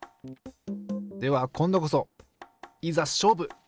では今度こそいざ勝負！